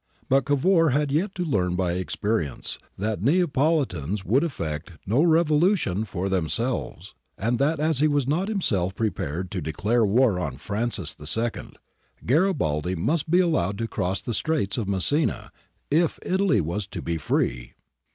But Cavour had yet to learn by experience that the Neapolitans would effect no revolution for them selves, and that as he was not himself prepared to declare war on Francis II, Garibaldi must be allowed to cross the Straits of Messina if Italy was to be free.